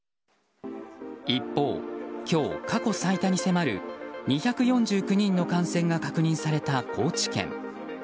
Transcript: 一方、今日過去最多に迫る２４９人の感染が確認された高知県。